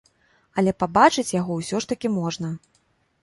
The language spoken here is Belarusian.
Але пабачыць яго ўсё ж такі можна.